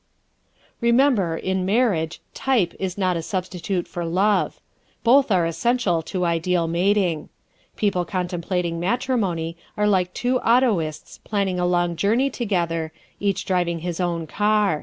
_Remember, in marriage, TYPE is not a substitute for LOVE. Both are essential to ideal mating. People contemplating matrimony are like two autoists planning a long journey together, each driving his own car.